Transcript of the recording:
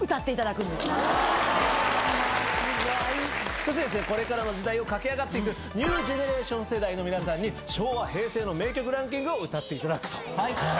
そしてですねこれからの時代を駆け上がっていくニュージェネレーション世代の皆さんに昭和平成の名曲ランキングを歌っていただくと。